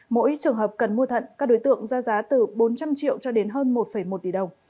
mỗi trường hợp cần mua thận các đối tượng ra giá từ bốn trăm linh triệu cho đến hơn một một tỷ đồng